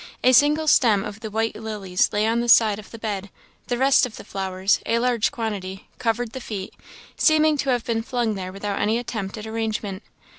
A single stem of white lilies lay on the side of the bed; the rest of the flowers, a large quantity, covered the feet, seeming to have been flung there without any attempt at arrangement.